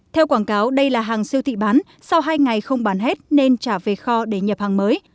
theo quảng cáo đây là hàng siêu thị bán sau hai ngày không bán hết nên trả về kho để nhập hàng mới